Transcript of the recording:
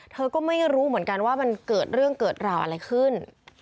เธอก็ไม่รู้เหมือนกันว่ามันเกิดเรื่องเกิดราวอะไรขึ้น